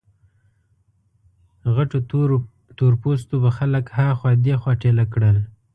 غټو تور پوستو به خلک ها خوا دې خوا ټېله کړل.